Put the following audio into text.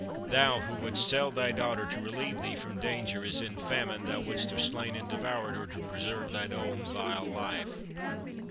Thou, who wouldst sell thy daughter to relieve thee from danger, as in famine thou wouldst have slain and devoured her to preserve thy own vile life!